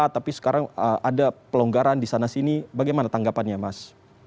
tapi sekarang ada pelonggaran di sana sini bagaimana tanggapannya mas